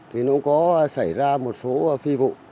thì nó có xảy ra một số phi vụ